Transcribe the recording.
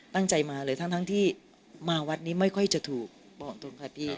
ตั้งใจมาเลยทั้งที่มาวัดนี้ไม่ค่อยจะถูกบอกตรงค่ะพี่